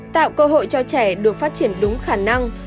tạo cơ hội cho trẻ được phát triển đúng khả năng